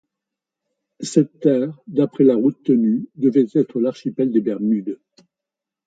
Cette terre, d’après la route tenue, devait être l’archipel des Bermudes.